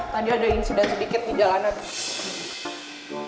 tadi ada insiden sedikit di jalanan